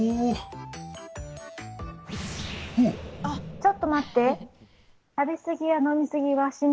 ちょっと待って！